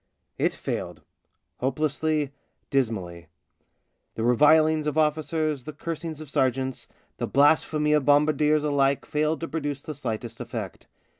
It failed — hopelessly, dismally. The re vilings of officers, the cursings of sergeants, THE BLACK SHEEP 65 the blasphemy of bombardiers alike failed to produce the slightest effect.